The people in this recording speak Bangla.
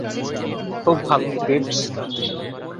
খুব ভালো, ফিটজ।